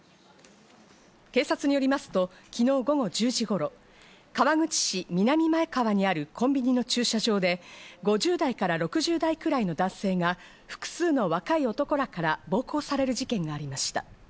警察によりますと昨日午後１０時頃、川口市南前川にあるコンビニの駐車場で５０代６０代くらいの男性が複数の若い男らから暴行される事件がありました。